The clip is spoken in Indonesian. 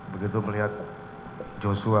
begitu melihat yosua